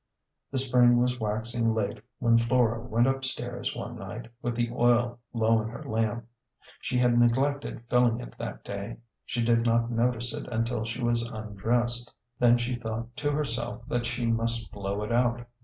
The spring was waxing late when Flora went up stairs one night with the oil low in her lamp. She had neglected rilling it that day. She did not notice it until she was un dressed ; then she thought to herself that she must blow it out.